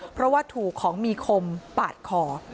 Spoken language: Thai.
เพราะว่าถูกของมีคมปาดคอ